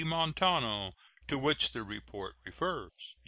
Montano, to which the report refers.